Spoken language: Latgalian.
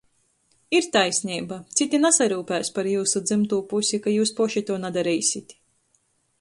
Ir taisneiba — cyti nasaryupēs par jiusu dzymtū pusi, ka jius poši tuo nadarēsit.